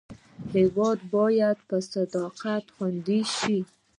هېواد باید په صداقت خوندي شي.